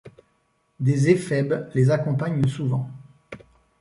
Des éphèbes les accompagnent souvent.